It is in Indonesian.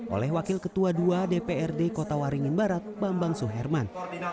oleh wakil ketua ii dprd kota waringin barat bambang suherman